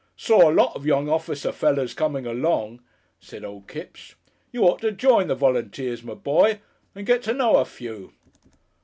"Saw a lot of young officer fellers coming along," said old Kipps. "You ought to join the volunteers, my boy, and get to know a few."